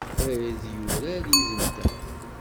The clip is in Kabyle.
Ad yurar yid-nteɣ?